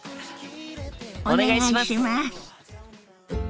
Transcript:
お願いします！